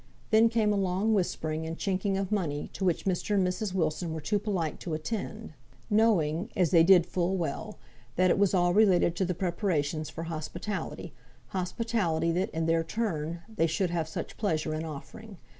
Then came a long whispering, and chinking of money, to which Mr. and Mrs. Wilson were too polite to attend; knowing, as they did full well, that it all related to the preparations for hospitality; hospitality that, in their turn, they should have such pleasure in offering.